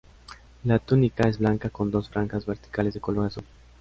La túnica es blanca con dos franjas verticales de color azul.